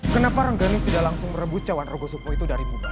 kenapa rengganis tidak langsung merebut cawan rogo sukmo itu dari bubar